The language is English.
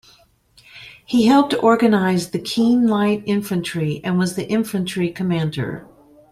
He helped organize the Keene light infantry and was the infantry commander.